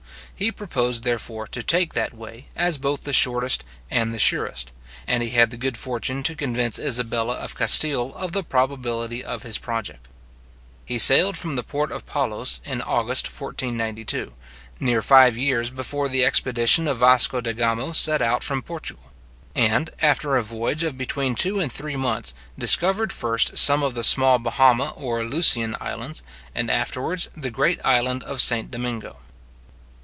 He proposed, therefore, to take that way, as both the shortest and the surest, and he had the good fortune to convince Isabella of Castile of the probability of his project. He sailed from the port of Palos in August 1492, near five years before the expedition of Vasco de Gamo set out from Portugal; and, after a voyage of between two and three months, discovered first some of the small Bahama or Lucyan islands, and afterwards the great island of St. Domingo.